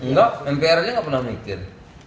enggak mpr aja nggak pernah mikir